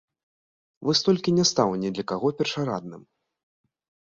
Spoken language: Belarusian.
Вось толькі не стаў ні для каго першарадным.